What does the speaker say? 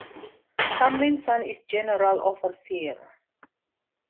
Tomlinson is General Overseer.